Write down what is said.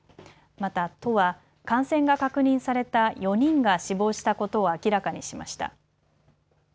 また都は感染が確認された４人が死亡したことを明らかにしました。